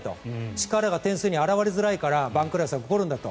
力が点数に表れづらいから番狂わせが起こるんだと。